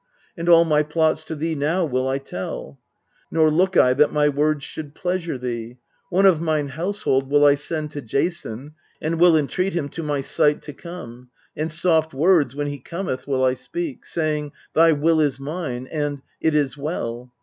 And all my plots to thee now will I tell ; Nor look I that my words should pleasure thee One of mine household will I send to Jason, And will entreat him to my sight to come ; And soft words, when he cometh, will I speak, Saying, " Thy will is mine," and, " It is well."